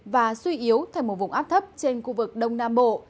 và suy yếu thành một vùng áp thấp trên khu vực đông nam bộ